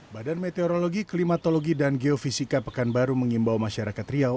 badan meteorologi klimatologi dan geofisika pekanbaru mengimbau masyarakat riau